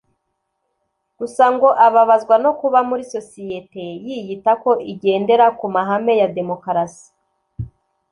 Gusa ngo ababazwa no kuba muri sosiyete yiyita ko igendera ku mahame ya demokarasi